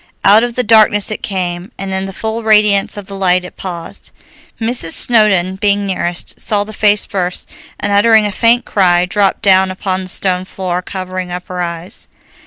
Out of the darkness it came, and in the full radiance of the light it paused. Mrs. Snowdon, being nearest, saw the face first, and uttering a faint cry dropped down upon the stone floor, covering up her eyes.